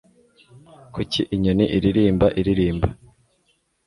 kuki inyoni iririmba iririmba